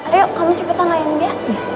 ayo kamu cepetan layanin dia